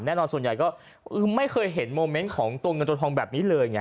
ส่วนใหญ่ก็ไม่เคยเห็นโมเมนต์ของตัวเงินตัวทองแบบนี้เลยไง